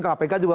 ke kpk juga